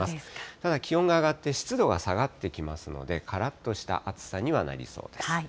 ただ気温が上がって湿度は下がってきますので、からっとした暑さにはなりそうです。